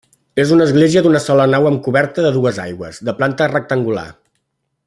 És una església d'una sola nau amb coberta de dues aigües, de planta rectangular.